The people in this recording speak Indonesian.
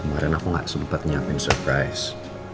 kemarin aku gak sempat nyiapin surprise